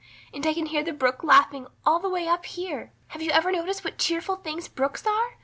And I can hear the brook laughing all the way up here. Have you ever noticed what cheerful things brooks are?